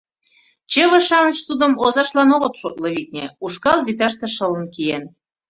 Чыве-шамыч тудым озаштлан огыт шотло, витне, ушкал вӱташте шылын киен.